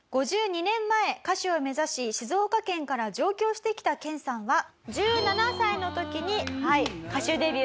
５２年前歌手を目指し静岡県から上京してきた研さんは１７歳の時にはい歌手デビューされます。